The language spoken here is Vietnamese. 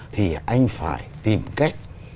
thì anh phải tìm cách